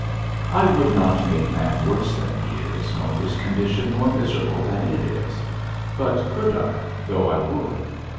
I would not make man worse than he is, nor his condition more miserable than it is. But could I though I would?